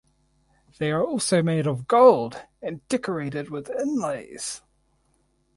They are also made of gold and decorated with inlays.